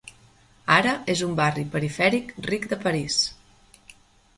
Ara és un barri perifèric ric de París.